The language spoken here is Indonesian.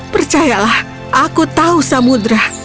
percayalah aku tahu samudra